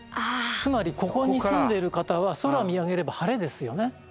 つまりここに住んでる方は空見上げれば晴れですよね。